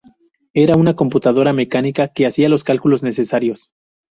Era una computadora mecánica que hacía los cálculos necesarios.